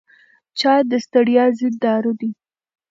چای د ستړیا ضد دارو دی.